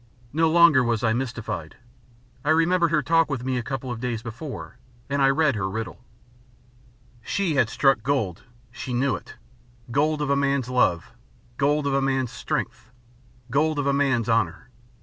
No longer was I mystified. I remembered her talk with me a couple of days before, and I read her riddle. She had struck gold. She knew it. Gold of a man's love. Gold of a man's strength. Gold of a man's honour.